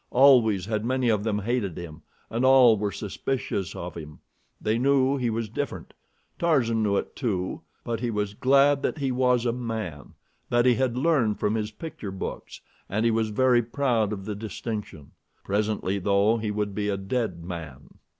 Always had many of them hated him, and all were suspicious of him. They knew he was different. Tarzan knew it too; but he was glad that he was he was a MAN; that he had learned from his picture books, and he was very proud of the distinction. Presently, though, he would be a dead man.